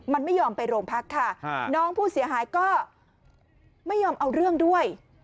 มันไม่ยอมไปโรงพักค่ะน้องผู้เสียหายก็ไม่ยอมเอาเรื่องด้วย